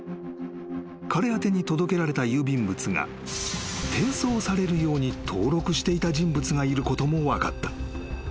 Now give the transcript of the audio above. ［彼宛てに届けられた郵便物が転送されるように登録していた人物がいることも分かった］